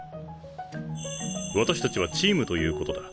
私たちはチームということだ。